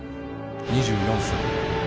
２４歳